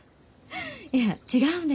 いや違うんです。